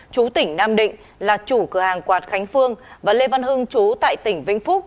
chú tỉnh nam định là chủ cửa hàng quạt khánh phương và lê văn hưng chú tại tỉnh vĩnh phúc